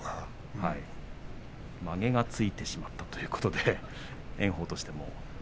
まげがついてしまったということで炎鵬としても。